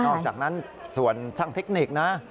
อกจากนั้นส่วนช่างเทคนิคนะ